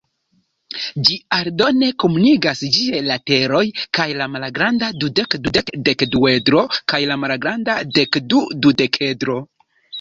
Ĝi aldone komunigas ĝiaj lateroj kun la malgranda dudek-dudek-dekduedro kaj la malgranda dekdu-dudekedro.